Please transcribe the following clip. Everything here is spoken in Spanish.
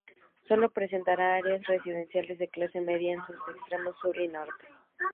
Sólo presenta áreas residenciales de clase media en sus extremos sur y norte.